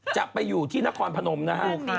จะไปอยู่ที่นครพนมนะฮะ